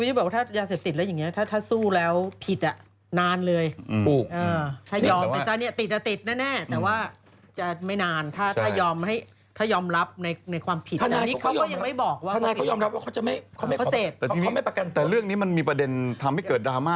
ไว้ว่าถึงเรื่องราวของคนเก่า